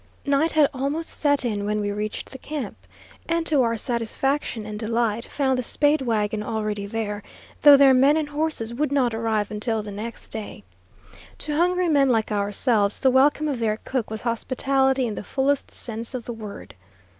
Night had almost set in when we reached the camp, and to our satisfaction and delight found the Spade wagon already there, though their men and horses would not arrive until the next day. To hungry men like ourselves, the welcome of their cook was hospitality in the fullest sense of the word.